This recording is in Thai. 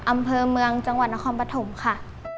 อำเภอเมืองจังหวัดนครปฐมค่ะ